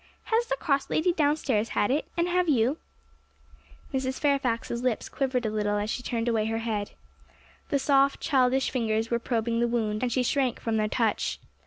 Has the cross lady downstairs had it, and have you?' Mrs. Fairfax's lips quivered a little as she turned away her head. The soft, childish fingers were probing the wound, and she shrank from their touch.